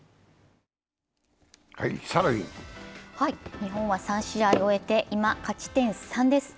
日本は３試合終えて、今、勝ち点３です。